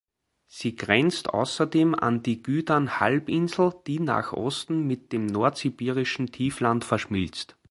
Sie grenzt außerdem an die Gydan-Halbinsel, die nach Osten mit dem Nordsibirischen Tiefland verschmilzt.